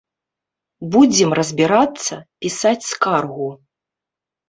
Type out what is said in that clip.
Будзем разбірацца, пісаць скаргу.